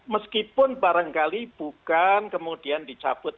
meskipun barangkali bukan kemudian dicabut